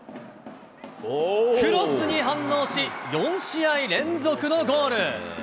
クロスに反応し、４試合連続のゴール。